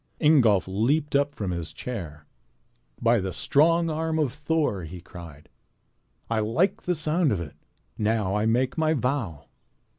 '" Ingolf leaped up from his chair. "By the strong arm of Thor!" he cried, "I like the sound of it. Now I make my vow."